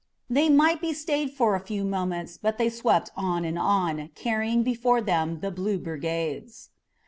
They might be stayed for a few moments, but they swept on and on, carrying before them the blue brigades.